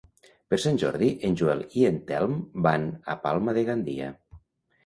Per Sant Jordi en Joel i en Telm van a Palma de Gandia.